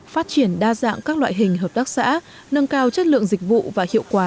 phát triển đa dạng các loại hình hợp tác xã nâng cao chất lượng dịch vụ và hiệu quả